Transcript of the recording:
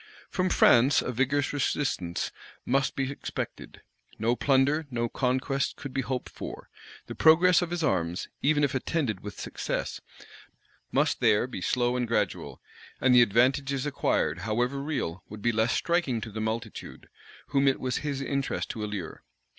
From France a vigorous resistance must be expected: no plunder, no conquests could be hoped for: the progress of his arms, even if attended with success, must there be slow and gradual; and the advantages acquired, however real, would be less striking to the multitude, whom it was his interest to allure.